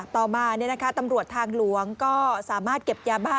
ต่อมาตำรวจทางหลวงก็สามารถเก็บยาบ้า